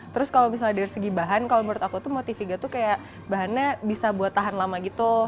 terus kalau misalnya dari segi bahan kalau menurut aku tuh motiviga tuh kayak bahannya bisa buat tahan lama gitu